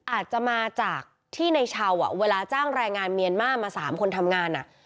อาจจะมาจากที่ในเชาห์อ่ะเวลาจ้างแรงงานเมียนมามาสามคนทำงานน่ะ